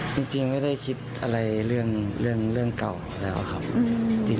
จริงไม่ได้คิดอะไรเรื่องเรื่องเรื่องเก่าแล้วครับอืม